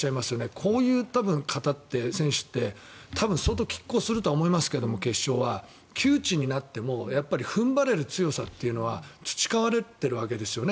こういう方、選手って決勝は相当きっ抗するとは思いますが窮地になっても踏ん張れる強さっていうのは培われているわけですよね。